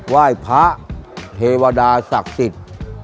ไหว้พระเทวดาศักดิ์สิทธิ์